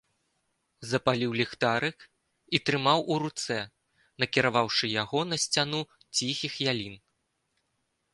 Запаліў ліхтарык і трымаў у руцэ, накіраваўшы яго на сцяну ціхіх ялін.